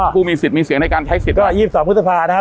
ผู้มีสิทธิ์มีเสียงในการใช้สิทธิ์อ๋อยี่สิบสองพุทธภาพนะครับ